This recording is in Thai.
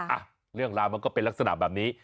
อ่ะเรื่องราวมันก็เป็นลักษณะแบบนี้